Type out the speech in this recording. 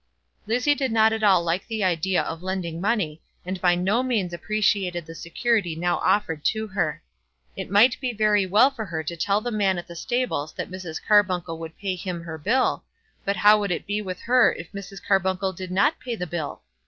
Lizzie did not at all like the idea of lending money, and by no means appreciated the security now offered to her. It might be very well for her to tell the man at the stables that Mrs. Carbuncle would pay him her bill, but how would it be with her if Mrs. Carbuncle did not pay the bill?